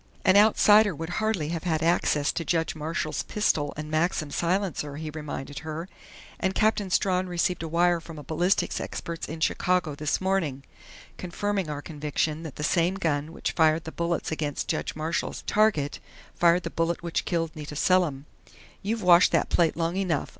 "An outsider would hardly have had access to Judge Marshall's pistol and Maxim silencer," he reminded her. "And Captain Strawn received a wire from a ballistics expert in Chicago this morning, confirming our conviction that the same gun which fired the bullets against Judge Marshall's target fired the bullet which killed Nita Selim.... You've washed that plate long enough.